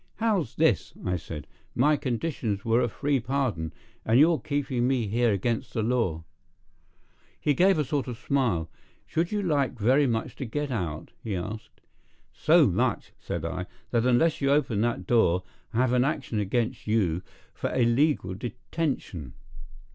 "How's this?" I said. "My conditions were a free pardon, and you're keeping me here against the law." He gave a sort of a smile. "Should you like very much to get out?" he asked. "So much," said I, "that unless you open that door I'll have an action against you for illegal detention."